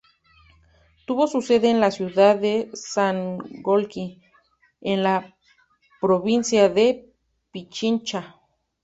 Tuvo su sede en la ciudad de Sangolquí, en la provincia de Pichincha.